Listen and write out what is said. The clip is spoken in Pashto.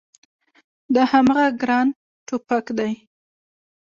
دا هماغه ګران ټوپګ دی